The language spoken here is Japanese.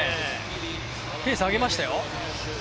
ペース上げましたよ。